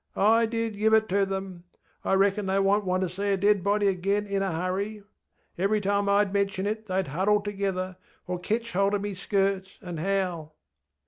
I did give it to them. I reckon they wonŌĆÖt want ter see a dead body again in a hurry. Every time IŌĆÖd mention it theyŌĆÖd huddle together, or ketch hold of me skirts and howl.